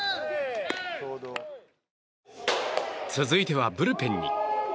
続いては、ブルペンに。